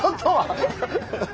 ハハハ。